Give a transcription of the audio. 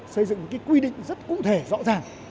xây dựng một cái quy định rất cụ thể rõ ràng